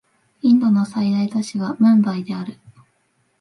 インドの最大都市はムンバイである